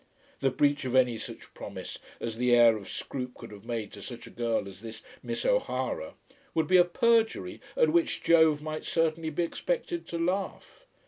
The breach of any such promise as the heir of Scroope could have made to such a girl as this Miss O'Hara would be a perjury at which Jove might certainly be expected to laugh.